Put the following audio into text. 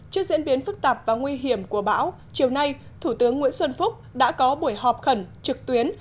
trước diễn biến phức tạp và nguy hiểm của bão chiều nay thủ tướng nguyễn xuân phúc đã có buổi họp khẩn trực tuyến